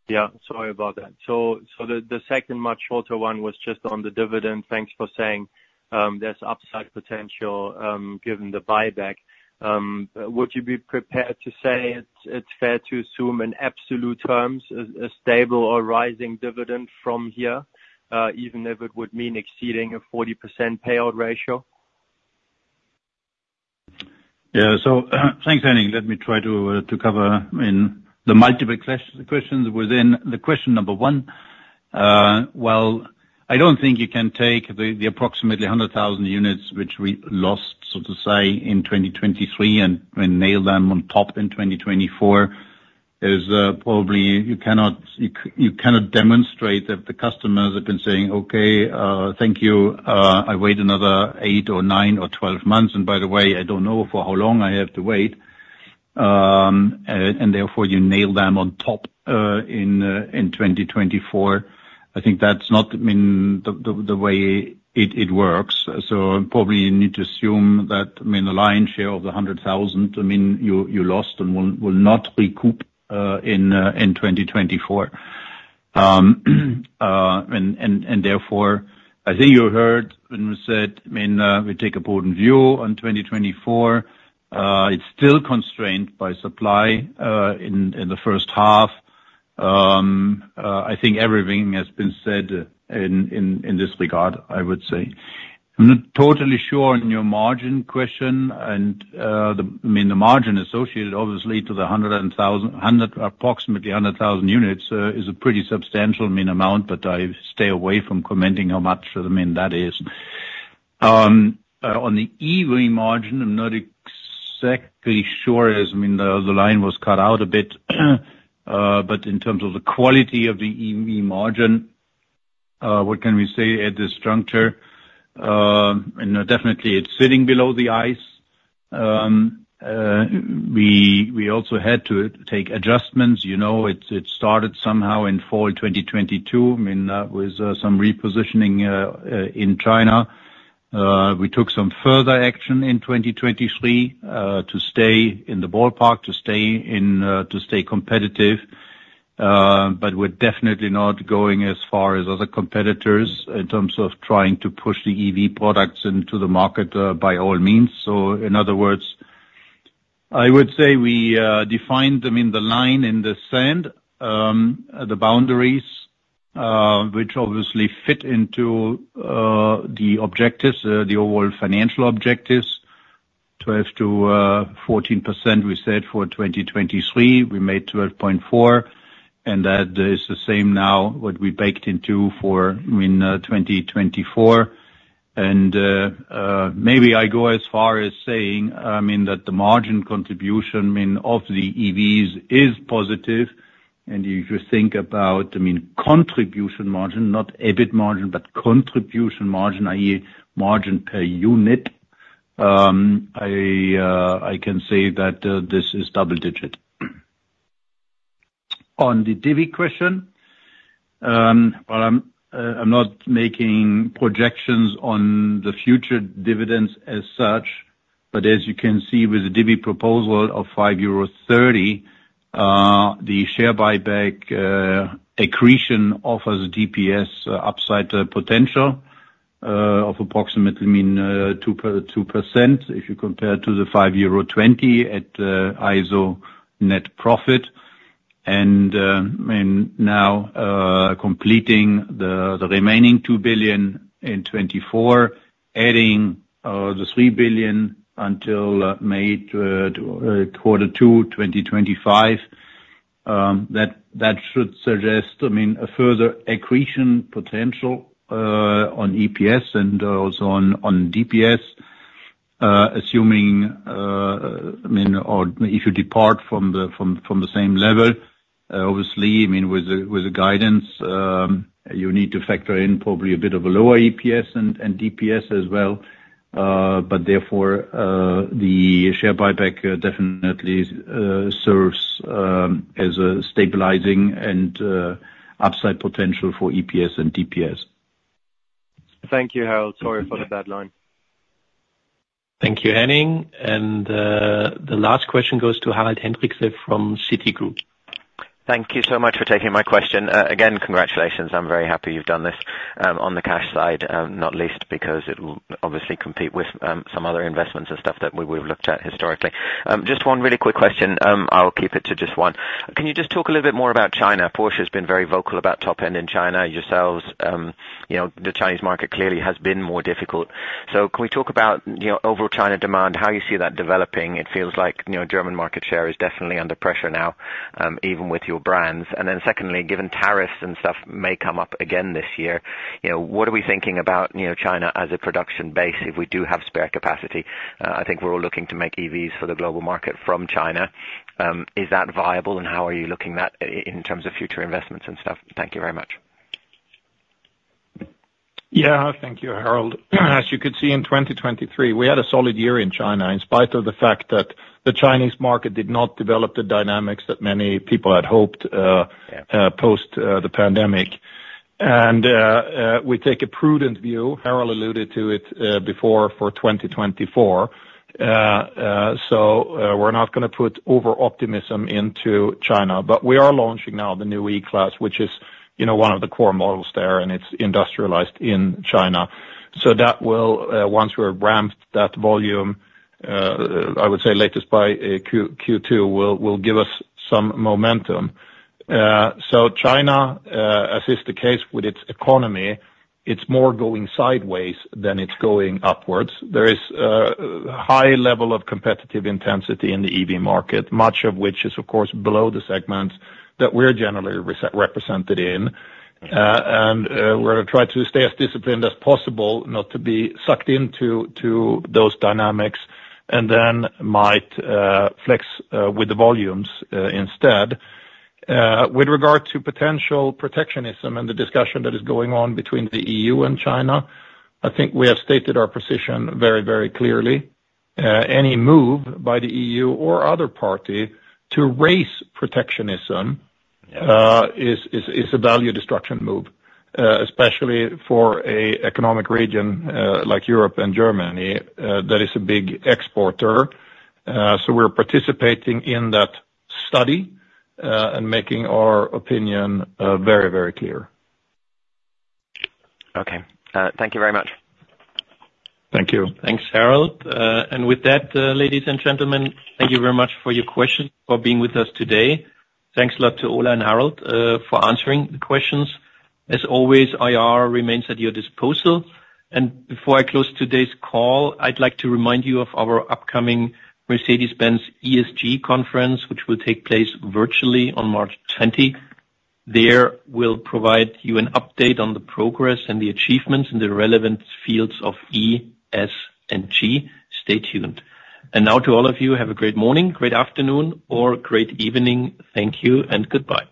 Yeah, sorry about that. So the second much shorter one was just on the dividend. Thanks for saying, there's upside potential, given the buyback. Would you be prepared to say it's fair to assume in absolute terms, a stable or rising dividend from here, even if it would mean exceeding a 40% payout ratio? Yeah. So thanks, Henning. Let me try to cover, I mean, the multiple questions within. The question number one, well, I don't think you can take the approximately 100,000 units which we lost, so to say, in 2023 and nail them on top in 2024. There's probably you cannot demonstrate that the customers have been saying, "Okay, thank you, I wait another eight or nine or 12 months, and by the way, I don't know for how long I have to wait." And therefore, you nail them on top in 2024. I think that's not, I mean, the way it works. So probably you need to assume that, I mean, the lion's share of the 100,000, I mean, you lost and will not recoup in 2024. And therefore, I think you heard when we said, I mean, we take a prudent view on 2024. It's still constrained by supply in the first half. I think everything has been said in this regard, I would say. I'm not totally sure on your margin question, and the, I mean, the margin associated obviously to the approximately 100,000 units is a pretty substantial meaningful amount, but I stay away from commenting how much, I mean, that is. On the EV margin, I'm not exactly sure, as, I mean, the line was cut out a bit. But in terms of the quality of the EV margin, what can we say at this juncture? You know, definitely it's sitting below the ICE. We also had to take adjustments. You know, it started somehow in fall 2022, I mean, with some repositioning in China. We took some further action in 2023, to stay in the ballpark, to stay competitive. But we're definitely not going as far as other competitors in terms of trying to push the EV products into the market, by all means. So in other words, I would say we defined, I mean, the line in the sand, the boundaries, which obviously fit into the objectives, the overall financial objectives. 12%-14% we said for 2023, we made 12.4, and that is the same now, what we baked into for, I mean, 2024. And maybe I go as far as saying, I mean, that the margin contribution, I mean, of the EVs is positive. And if you think about, I mean, contribution margin, not EBIT margin, but contribution margin, i.e., margin per unit, I can say that this is double digit. On the divvy question, well, I'm not making projections on the future dividends as such, but as you can see with the divvy proposal of 5.30 euros, the share buyback accretion offers DPS upside potential of approximately, I mean, 2%, if you compare to the 5.20 euro at ISO net profit. Now, completing the remaining 2 billion in 2024, adding the 3 billion until May Q2 2025, that should suggest, I mean, a further accretion potential on EPS and also on DPS, assuming, I mean, or if you depart from the same level, obviously, I mean, with the guidance, you need to factor in probably a bit of a lower EPS and DPS as well. But therefore, the share buyback definitely serves as a stabilizing and upside potential for EPS and DPS. Thank you, Harald. Sorry for the bad line. Thank you, Henning. The last question goes to Harald Hendrikse from Citigroup. Thank you so much for taking my question. Again, congratulations. I'm very happy you've done this, on the cash side, not least because it will obviously compete with, some other investments and stuff that we, we've looked at historically. Just one really quick question. I'll keep it to just one. Can you just talk a little bit more about China? Porsche has been very vocal about top end in China. Yourselves, you know, the Chinese market clearly has been more difficult. So can we talk about, you know, overall China demand, how you see that developing? It feels like, you know, German market share is definitely under pressure now, even with your brands. And then secondly, given tariffs and stuff may come up again this year, you know, what are we thinking about, you know, China as a production base if we do have spare capacity? I think we're all looking to make EVs for the global market from China. Is that viable, and how are you looking at in terms of future investments and stuff? Thank you very much. Yeah, thank you, Harald. As you could see, in 2023, we had a solid year in China, in spite of the fact that the Chinese market did not develop the dynamics that many people had hoped. Yeah... post the pandemic. And we take a prudent view. Harald alluded to it before for 2024. So we're not gonna put overoptimism into China, but we are launching now the new E-Class, which is, you know, one of the core models there, and it's industrialized in China. So that will once we've ramped that volume, I would say latest by Q2, will give us some momentum. So China, as is the case with its economy, it's more going sideways than it's going upwards. There is high level of competitive intensity in the EV market, much of which is, of course, below the segments that we're generally represented in. And we're gonna try to stay as disciplined as possible, not to be sucked into those dynamics, and then might flex with the volumes instead. With regard to potential protectionism and the discussion that is going on between the EU and China, I think we have stated our position very, very clearly. Any move by the EU or other party to raise protectionism is a value destruction move, especially for an economic region like Europe and Germany that is a big exporter. So we're participating in that study and making our opinion very, very clear. Okay. Thank you very much. Thank you. Thanks, Harald. With that, ladies and gentlemen, thank you very much for your questions, for being with us today. Thanks a lot to Ola and Harald, for answering the questions. As always, IR remains at your disposal. Before I close today's call, I'd like to remind you of our upcoming Mercedes-Benz ESG conference, which will take place virtually on March 20. There, we'll provide you an update on the progress and the achievements in the relevant fields of E, S, and G. Stay tuned. Now to all of you, have a great morning, great afternoon, or great evening. Thank you and goodbye.